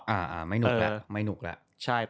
อะไม่หนุกแล้วไม่หนุกเลย